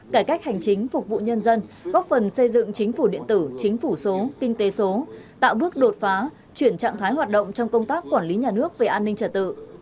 cải cách hành chính phục vụ nhân dân góp phần xây dựng chính phủ điện tử chính phủ số kinh tế số tạo bước đột phá chuyển trạng thái hoạt động trong công tác quản lý nhà nước về an ninh trả tự